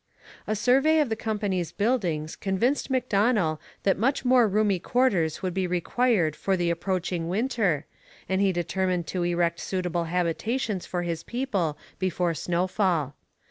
A survey of the company's buildings convinced Macdonell that much more roomy quarters would be required for the approaching winter, and he determined to erect suitable habitations for his people before snowfall.